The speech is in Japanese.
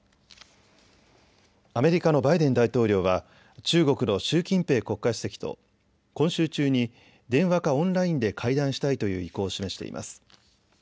アメリカのバイデン大統領は中国の習近平国家主席と今週中に電話かオンラインで会談したいという意向を示しています。